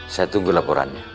saya tunggu laporannya